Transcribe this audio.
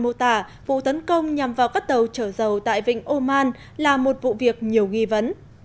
mô tả vụ tấn công nhằm vào các tàu chở dầu tại vịnh oman là một vụ việc nhiều nghi vấn